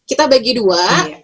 kita bagi dua